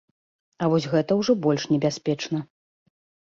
А вось гэта ўжо больш небяспечна.